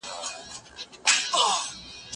ته ولي سينه سپين کوې